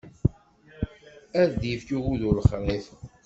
Ad d-yefk ugudu lexṛif.